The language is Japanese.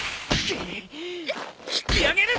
引き上げる！